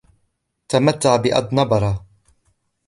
تمتع بأدنبرة!